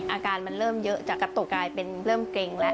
อาการมันเริ่มเยอะจากกระตุกกลายเป็นเริ่มเกร็งแล้ว